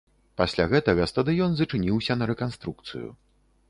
Пасля гэтага стадыён зачыніўся на рэканструкцыю.